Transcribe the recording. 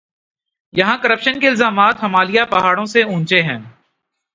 یہاں کرپشن کے الزامات ہمالیہ پہاڑوں سے اونچے ہیں۔